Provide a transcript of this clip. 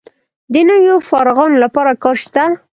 د نویو فارغانو لپاره کار شته؟